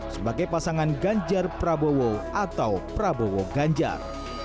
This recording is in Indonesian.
sebagai pasangan ganjar prabowo atau prabowo ganjar